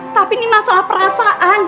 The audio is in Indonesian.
tapi ini masalah perasaan